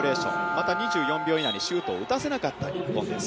また２４秒以内にシュートを打たせなかった日本です。